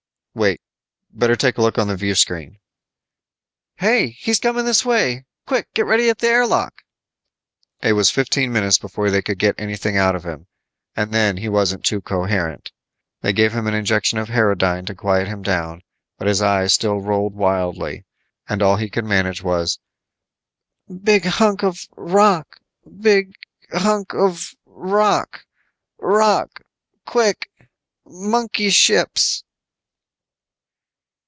"Wait. Better take a look on the viewscreen." "Hey, he's coming this way! Quick, get ready at the air lock!" It was fifteen minutes before they could get anything out of him, and then he wasn't too coherent. They gave him an injection of herodine to quiet him down, but his eyes still rolled wildly and all he could manage was: "Big hunk of rock ... big hunk of rock ... rock, quick ... monkey ships."